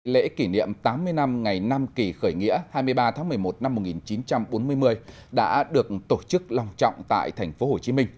lễ kỷ niệm tám mươi năm ngày nam kỳ khởi nghĩa hai mươi ba tháng một mươi một năm một nghìn chín trăm bốn mươi đã được tổ chức lòng trọng tại tp hcm